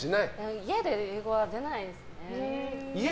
家で英語は出ないですね。